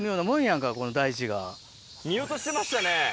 見落としてましたね。